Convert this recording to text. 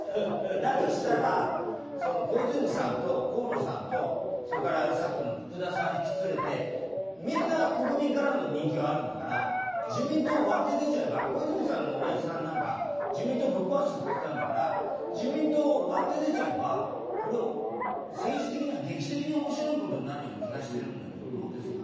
だとしたら、その小泉さんと河野さんと、それから、さっきの福田さん引き連れて、みんな国民からの人気はあるんだから自民党を割って出ちゃえば、小泉さんの親父さんなんか自民党ぶっ壊すって言ったんだから自民党を割って出ちゃえばこれは政治的には劇的におもしろいことになるような気がしてるんだけど。